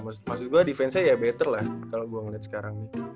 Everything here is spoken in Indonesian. maksud gua defense nya ya better lah kalo gua ngeliat sekarang